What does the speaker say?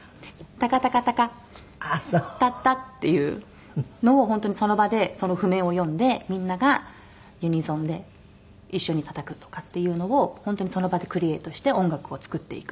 タカタカタカタッタっていうのを本当にその場でその譜面を読んでみんながユニゾンで一緒にたたくとかっていうのを本当にその場でクリエートして音楽を作っていくっていう。